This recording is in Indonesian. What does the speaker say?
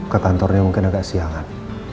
ke kantornya mungkin agak siangan